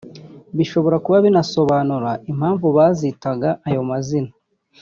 bishobora kuba binasobanura impamvu bazitaga ayo mazina